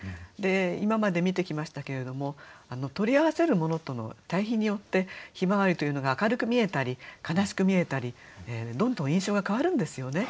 今まで見てきましたけれども取り合わせるものとの対比によって向日葵というのが明るく見えたり悲しく見えたりどんどん印象が変わるんですよね。